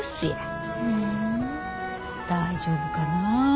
大丈夫かな？